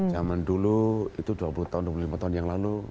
zaman dulu itu dua puluh tahun dua puluh lima tahun yang lalu